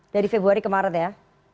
dari februari kemarin ya